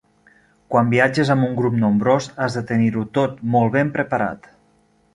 Quan viatges amb un grup nombrós, has de tenir-ho tot molt ben preparat.